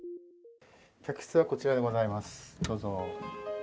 客室はこちらにございます、どうぞ。